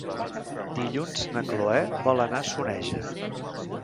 Dilluns na Cloè vol anar a Soneja.